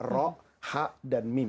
ro ha dan mim